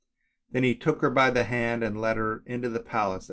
Then he took her by the hand and led her into the palace.